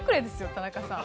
田中さん。